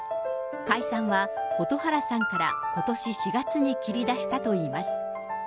解散は蛍原さんからことし４月に切り出したといいます。